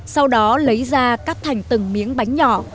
sau đó lấy ra cắt thành từng miếng bánh nhỏ